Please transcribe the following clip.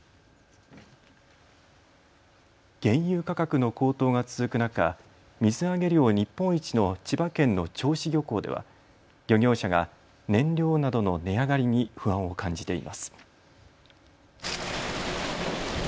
原油価格の高騰が続く中、水揚げ量日本一の千葉県の銚子漁港では漁業者が燃料などの値上がりに不安を感じています。